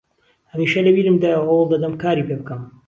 هەمیشە لە بیرمدایە و هەوڵ دەدەم کاری پێ بکەم